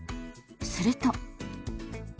すると。